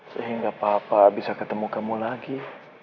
sehingga papa bisa ketemu kamu lagi